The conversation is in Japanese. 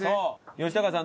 吉高さん